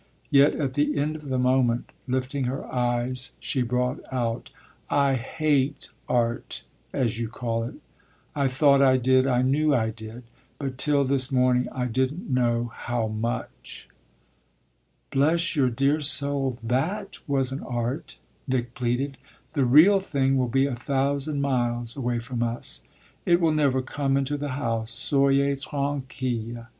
Yet at the end of the moment, lifting her eyes, she brought out: "I hate art, as you call it. I thought I did, I knew I did; but till this morning I didn't know how much." "Bless your dear soul, that wasn't art," Nick pleaded. "The real thing will be a thousand miles away from us; it will never come into the house, soyez tranquille.